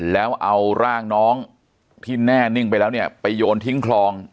แล้วเอาร่างน้องที่แน่นิ่งไปแล้วเนี่ยไปโยนทิ้งคลอง